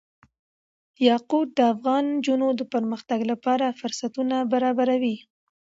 یاقوت د افغان نجونو د پرمختګ لپاره فرصتونه برابروي.